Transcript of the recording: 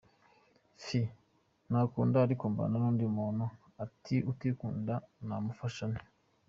fr : Nikunda ariko mbana n’undi muntu utikunda namufasha nte ?.